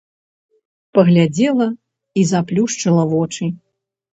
Паглядзела і заплюшчыла вочы.